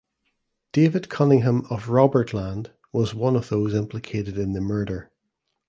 David Cunningham of Robertland was one of those implicated in the murder.